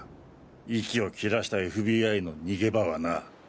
息を切らしたＦＢＩの逃げ場はな。